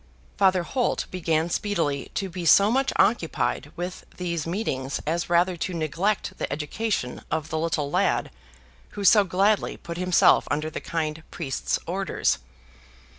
Father Holt began speedily to be so much occupied with these meetings as rather to neglect the education of the little lad who so gladly put himself under the kind priest's orders.